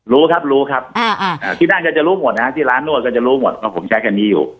รู้ครับรู้ครับที่นั่นก็จะรู้หมดนะฮะที่ร้านนวดก็จะรู้หมดว่าผมใช้คันนี้อยู่